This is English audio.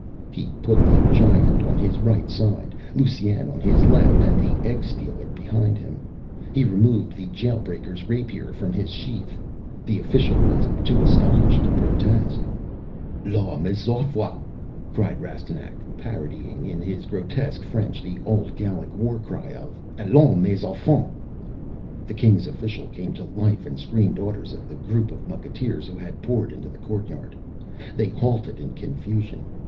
He put the Giant on his right side, Lusine on his left, and the egg stealer behind him. He removed the Jail breaker's rapier from his sheath. The official was too astonished to protest. "Law, m'zawfa!" cried Rastignac, parodying in his grotesque French the old Gallic war cry of "Allons, mes enfants!" The King's official came to life and screamed orders at the group of mucketeers who had poured into the courtyard. They halted in confusion.